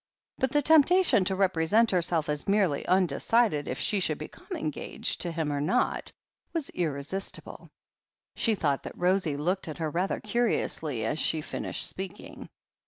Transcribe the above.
But the temptation to represent herself as merely undecided if she should become engaged to him or not, was irresistible. She thought that Rosie looked at her rather curiously as she finished speaking.